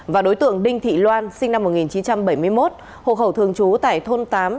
và đối tượng đinh thị loan sinh năm một nghìn chín trăm bảy mươi một hộ khẩu thường trú tại thôn tám